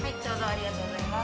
ありがとうございます。